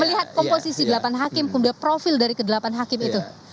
melihat komposisi delapan hakim kemudian profil dari ke delapan hakim itu